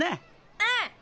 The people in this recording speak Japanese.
うん！